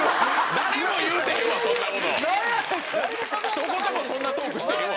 ひと言もそんなトークしてへんわ！